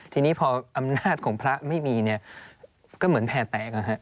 ทีนี้พออำนาจของพระไม่มีเนี่ยก็เหมือนแผ่แตก